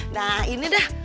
nah ini dah